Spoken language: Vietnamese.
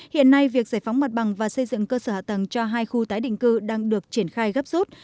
hiện nay việc giải phóng mặt bằng và xây dựng cơ sở hạ tầng cho hai khu tái định cư đang được triển khai gấp rút